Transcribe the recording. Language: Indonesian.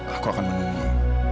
aku akan menunggu